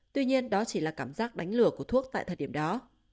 tuy nhiên đó chỉ là cảm giác đánh lửa của thuốc tại thời điểm đó